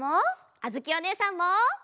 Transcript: あづきおねえさんも！